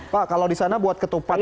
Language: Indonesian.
pak kalau di sana buat ketupat